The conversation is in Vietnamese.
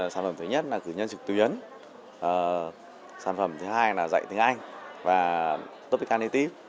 sản phẩm thứ nhất là cử nhân trực tuyến sản phẩm thứ hai là dạy tiếng anh và topicanneti